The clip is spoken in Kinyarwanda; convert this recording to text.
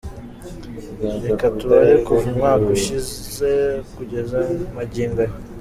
Reka tubare kuva umwaka ushize kugeza magingo aya.